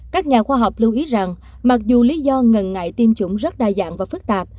các nhà khoa học lưu ý rằng mặc dù lý do ngần ngại tiêm chủng rất đa dạng và phức tạp